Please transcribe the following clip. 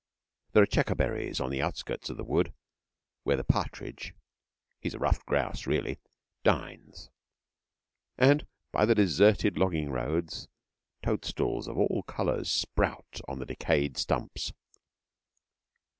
There are checker berries on the outskirts of the wood, where the partridge (he is a ruffed grouse really) dines, and by the deserted logging roads toadstools of all colours sprout on the decayed stumps.